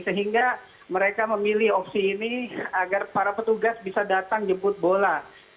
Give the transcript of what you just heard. sehingga mereka memilih opsi ini agar para petugas bisa datang jemput bola